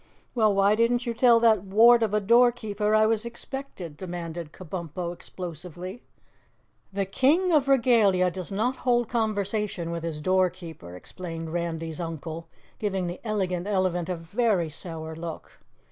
"Well, why didn't you tell that wart of a doorkeeper I was expected?" demanded Kabumpo explosively. "The King of Regalia does not hold conversation with his doorkeeper," explained Randy's uncle, giving the Elegant Elephant a very sour look.